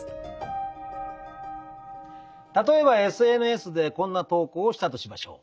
例えばＳＮＳでこんな投稿をしたとしましょう。